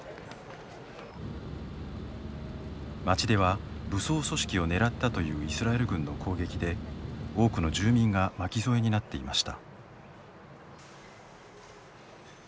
町では、武装組織を狙ったというイスラエル軍の攻撃で多くの住民が巻き添えになっていました。